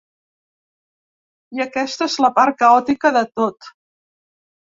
I aquesta és la part caòtica de tot.